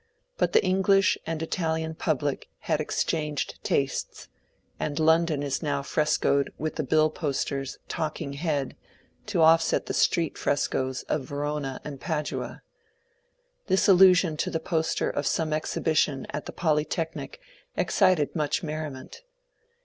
But the English and Italian public had exchanged tastes, and London is now frescoed with the bill poster's *^ Talking Head," to offset the street frescoes of Verona and Padua. This aUusion to the poster of some exhibition at the Polytechnic excited much merriment.